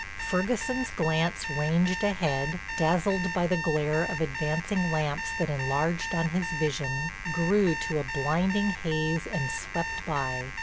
Ferguson's glance ranged ahead, dazzled by the glare of advancing lamps that enlarged on his vision, grew to a blinding haze and swept by.